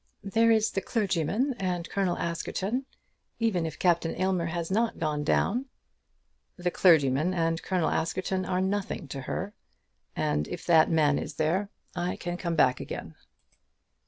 "There is the clergyman, and Colonel Askerton, even if Captain Aylmer has not gone down." "The clergyman and Colonel Askerton are nothing to her. And if that man is there I can come back again."